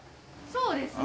そうですね。